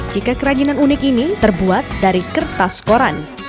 jika kerajinan unik ini terbuat dari kertas koran